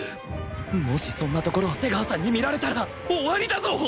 もしそんなところを瀬川さんに見られたら終わりだぞ！？